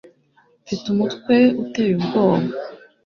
mfite umutwe uteye ubwoba